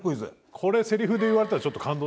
これセリフで言われたらちょっと感動。